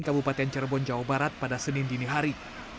kabupaten cirebon jawa barat pada senin dinihari